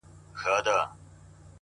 موږ ته تر سهاره چپه خوله ناست وي ـ